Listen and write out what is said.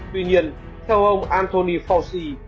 tuy nhiên theo ông anthony fauci